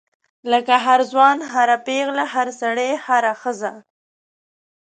لکه هر ځوان هر پیغله هر سړی هره ښځه.